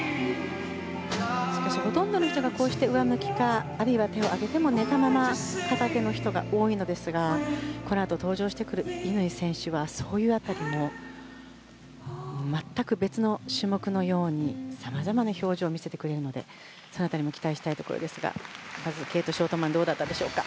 ほとんどの人が上向きかあるいは手を上げても寝たまま片手の人が多いのですがこのあと登場してくる乾選手はそういう辺りも全く別の種目のようにさまざまな表情を見せてくれるのでその辺りも期待したいところですがまずはケイト・ショートマンどうだったでしょうか。